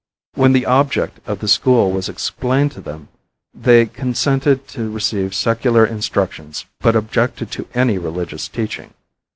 When the object of the school was explained to them, they consented to receive secular instructions but objected to any religious teaching.